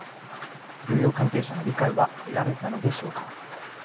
漁業関係者の理解は得られたのでしょうか。